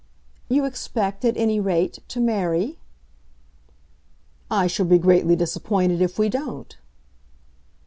"You expect, at any rate, to marry?" "I shall be greatly disappointed if we don't."